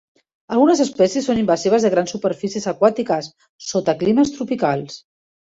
Algunes espècies són invasives de grans superfícies aquàtiques sota climes tropicals.